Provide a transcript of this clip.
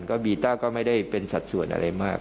ก็บีต้าก็ไม่ได้เป็นสัดส่วนอะไรมาก